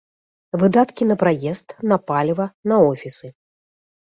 Выдаткі на праезд, на паліва, на офісы.